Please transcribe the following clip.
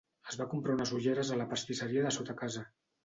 Es va comprar unes ulleres a la pastisseria de sota casa.